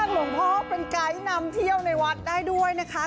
หลวงพ่อเป็นไกด์นำเที่ยวในวัดได้ด้วยนะคะ